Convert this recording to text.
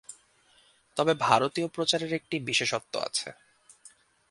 তবে ভারতীয় প্রচারের একটি বিশেষত্ব আছে।